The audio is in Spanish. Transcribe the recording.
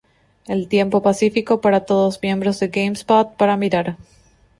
El tiempo pacífico para todos miembros de GameSpot para mirar.